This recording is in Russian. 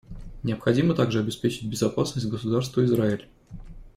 Необходимо также обеспечить безопасность Государства Израиль.